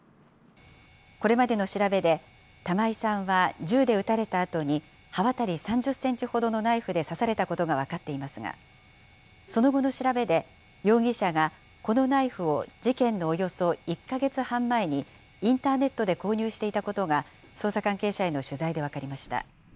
これまでの調べで、玉井さんは銃で撃たれたあとに刃渡り３０センチほどのナイフで刺されたことが分かっていますが、その後の調べで、容疑者がこのナイフを事件のおよそ１か月半前に、インターネットで購入していたことが、捜査関係者への取材で分かりました。